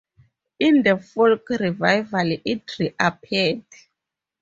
In the folk revival it reappeared.